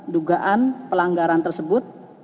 dugaan pelanggaran tersebut